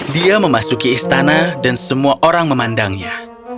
dia memasuki istana dan semua orang memandangnya